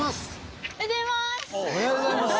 おはようございます。